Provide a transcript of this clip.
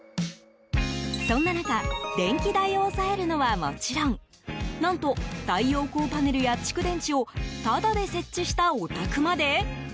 そんな中電気代を抑えるのはもちろん何と太陽光パネルや蓄電池をタダで設置したお宅まで。